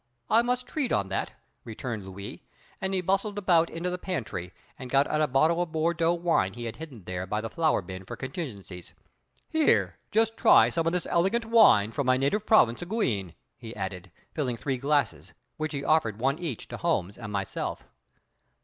I must treat on that," returned Louis, and he bustled around into the pantry, and got out a bottle of Bordeaux wine he had hidden there by the flour bin for contingencies. "Here, just try some of this elegant wine from my native province of Guienne," he added, filling three glasses, which he offered one each to Holmes and myself.